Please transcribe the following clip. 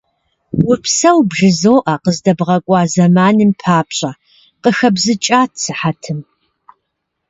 Упсэу бжызоӀэ, къыздэбгъэкӀуа зэманым папщӀэ, - къыхэбзыкӀат сыхьэтым.